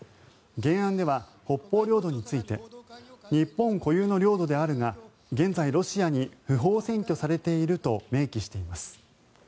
原案では北方領土について日本固有の領土であるが現在、ロシアに不法占拠されていると明記しています。